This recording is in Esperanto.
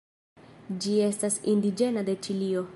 Ĝi estas indiĝena de Ĉilio.